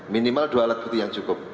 minimal dua alat bukti yang cukup